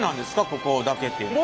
ここだけっていうのは。